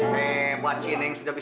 berarti aku nyalahin